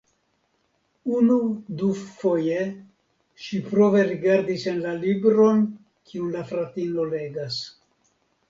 Unu, du foje ŝi prove rigardis en la libron kiun la fratino legas.